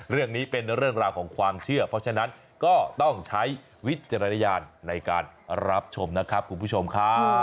เรื่องราวเป็นเรื่องราวของความเชื่อเพราะฉะนั้นก็ต้องใช้วิจารณญาณในการรับชมนะครับคุณผู้ชมครับ